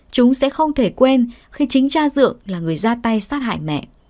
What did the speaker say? chúng sẽ không thể quên khi chính cha dượng là người ra tay sát hại mẹ